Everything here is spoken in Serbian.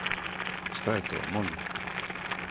Шта је то, молим?